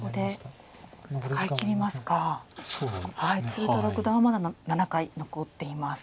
鶴田六段はまだ７回残っています。